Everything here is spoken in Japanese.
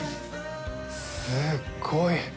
すっごい。